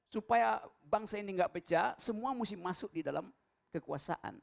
supaya bangsa ini enggak pecah semua mesti masuk di dalam kekuasaan